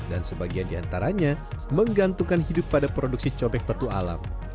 dan sebagian diantaranya menggantungkan hidup pada produksi cobek petu alam